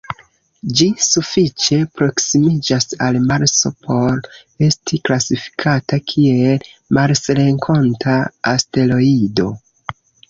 Ĝi sufiĉe proksimiĝas al Marso por esti klasifikata kiel marsrenkonta asteroido.